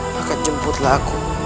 maka jemputlah aku